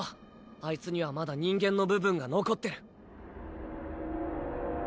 あいつにはまだ人間の部分が残ってる。